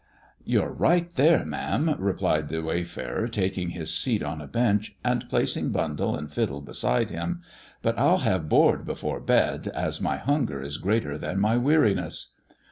"You're right there, ma'am," replied the wayfarer, taking his seat on a bench, and placing bundle and fiddle beside him, " but I'll have board before bed, as my hunger is greater than my weariness."